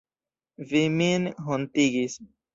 Vi min hontigis.